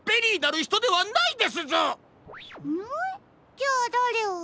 じゃあだれを？